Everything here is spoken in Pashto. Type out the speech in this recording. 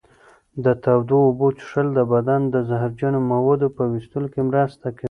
د تودو اوبو څښل د بدن د زهرجنو موادو په ویستلو کې مرسته کوي.